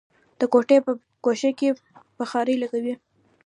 د کوټې په ګوښه کې بخارۍ لګوو.